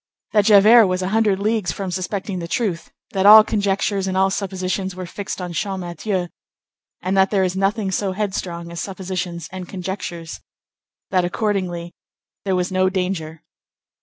that Javert was a hundred leagues from suspecting the truth; that all conjectures and all suppositions were fixed on Champmathieu, and that there is nothing so headstrong as suppositions and conjectures; that accordingly there was no danger.